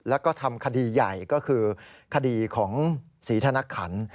แล้วก็ทำคดีใหญ่ก็คือคดีของศรีธนขัน